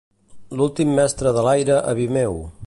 L'últim mestre de l'aire a Vimeo.